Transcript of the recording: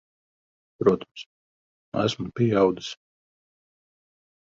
Protams. Esmu pieaudzis.